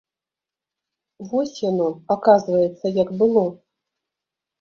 Вось яно, аказваецца, як было!